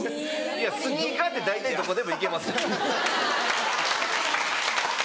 いやスニーカーって大体どこでも行けます。